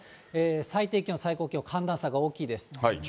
最低気温、最高気温、寒暖差が大きいです。